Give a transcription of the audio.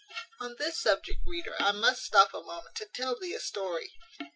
On this subject, reader, I must stop a moment, to tell thee a story.